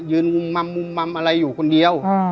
ยืนมำอะไรอยู่คนเดียว